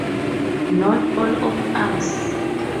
Not all of us.